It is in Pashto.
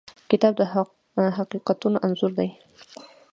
کتاب د حقیقتونو انځور دی.